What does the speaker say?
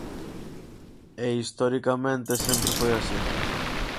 E historicamente sempre foi así.